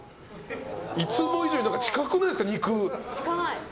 いつも以上に近くないですか、肉。